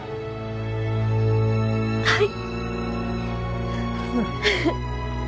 はい。